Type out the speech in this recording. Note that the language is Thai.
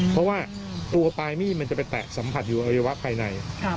เพราะว่าตัวปลายมีดมันจะไปแตะสัมผัสอยู่อวัยวะภายใน